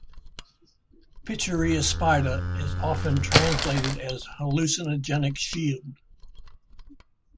"Pituriaspida" is often translated as "hallucinogenic shield.